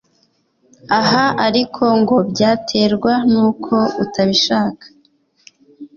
Aha ariko ngo byaterwa n'uko utabishaka